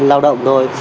lao động thôi